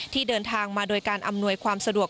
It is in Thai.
ที่เดินทางมาโดยการอำนวยความสะดวก